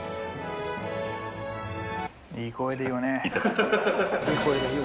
・いい声で言うね。